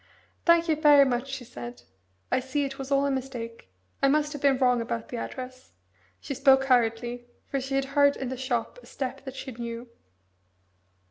"Thank you very much," she said. "I see it was all a mistake. I must have been wrong about the address." She spoke hurriedly for she had heard in the shop a step that she knew.